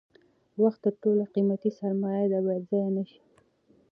وخت تر ټولو قیمتي سرمایه ده باید ضایع نشي.